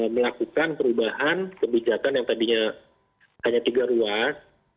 melakukan perubahan kebijakan yang tadinya hanya tiga ruas